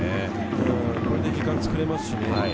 これで時間が作れます。